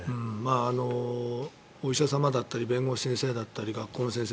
お医者様だったり弁護士さんだったり学校の先生。